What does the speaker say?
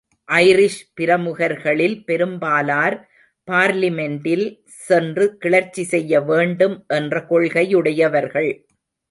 Irish பிரமுகர்களில் பெரும்பாலார் பார்லிமென்டில் சென்று கிளர்ச்சி செய்ய வேண்டும் என்ற கொள்கையுடையவர்கள்.